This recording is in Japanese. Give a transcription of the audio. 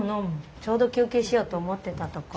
ちょうど休憩しようと思ってたとこ。